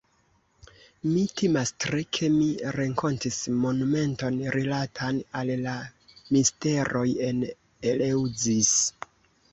Mi timas tre, ke mi renkontis monumenton rilatan al la misteroj en Eleŭzis.